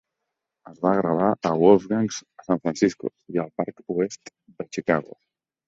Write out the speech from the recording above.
Es va gravar a Wolfgang's a San Francisco i al Park Oest de Chicago.